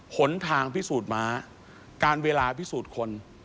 หนทางพิสูจน์ม้าการเวลาพิสูจน์คน